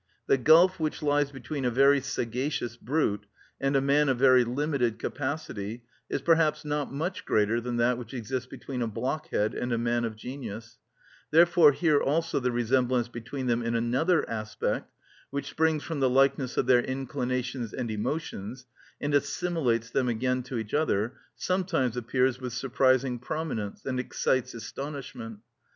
The gulf which lies between a very sagacious brute and a man of very limited capacity is perhaps not much greater than that which exists between a blockhead and a man of genius; therefore here also the resemblance between them in another aspect, which springs from the likeness of their inclinations and emotions, and assimilates them again to each other, sometimes appears with surprising prominence, and excites astonishment.